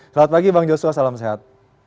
selamat pagi bang joshua salam sehat